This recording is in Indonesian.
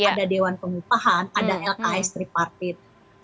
ada dewan pengupahan ada lks tripartit